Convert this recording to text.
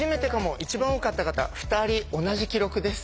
一番多かった方２人同じ記録です。